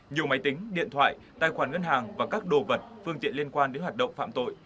nhiều máy tính điện thoại tài khoản ngân hàng và các đồ vật phương tiện liên quan đến hoạt động phạm tội